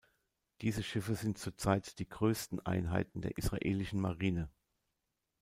Diese Schiffe sind zurzeit die größten Einheiten der israelischen Marine.